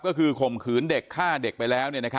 ก็คือข่มขืนเด็กฆ่าเด็กไปแล้ว